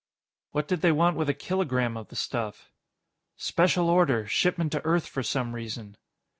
"What did they want with a kilogram of the stuff?" "Special order. Shipment to Earth for some reason."